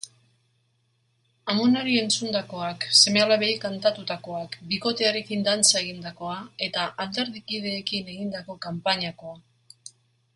Amonari entzundakoak, seme-alabei kantatutakoak, bikotearekin dantza egindakoa eta alderdikideekin egindako kanpainakoa.